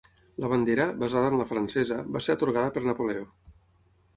La bandera, basada en la francesa, va ser atorgada per Napoleó.